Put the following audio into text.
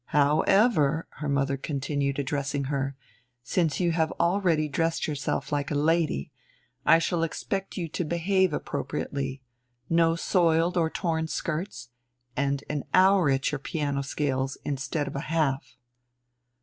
"However," her mother continued addressing her, "since you have dressed yourself like a lady I shall expect you to behave appropriately; no soiled or torn skirts, and an hour at your piano scales instead of a half."